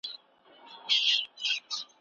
هغه کسان چې ناهیلي شول، ناکام دي.